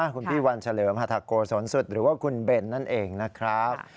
คุณพี่วันเฉลิมหัฐโกศลสุดหรือว่าคุณเบนนั่นเองนะครับ